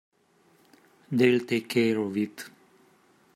They'll take care of it.